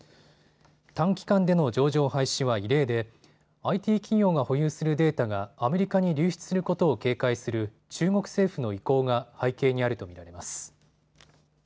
短期間での上場廃止は異例でＩＴ企業が保有するデータがアメリカに流出することを警戒する中国政府の意向が背景にあると見られます。